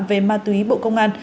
về ma túy bộ công an